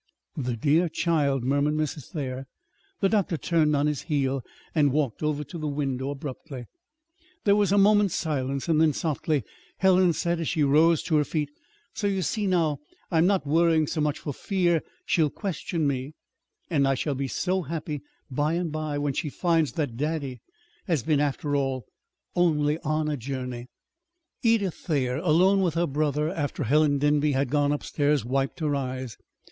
'" "The dear child!" murmured Mrs. Thayer. The doctor turned on his heel and walked over to the window abruptly. There was a moment's silence; then softly, Helen said, as she rose to her feet: "So you see now I'm not worrying so much for fear she will question me; and I shall be so happy, by and by, when she finds that daddy has been, after all, only on a journey." Edith Thayer, alone with her brother, after Helen Denby had gone upstairs, wiped her eyes.